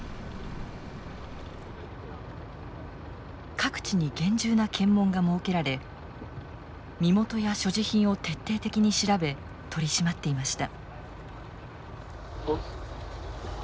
各地に厳重な検問が設けられ身元や所持品を徹底的に調べ取り締まっていました。